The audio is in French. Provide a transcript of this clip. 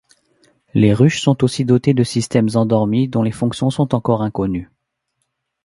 Les ruches sont aussi dotées de systèmes endormis dont les fonctions sont encore inconnues.